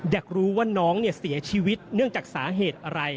อยากรู้ว่าน้องเสียชีวิตเนื่องจากสาเหตุอะไร